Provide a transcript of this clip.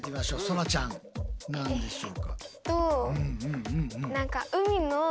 そらちゃん何でしょうか？